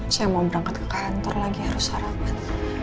saya mau berangkat ke kantor lagi harus sarabat